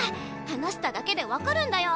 話しただけで分かるんだよ。